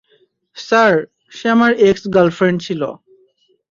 Sir, সে আমার ex girlfriend ছিল।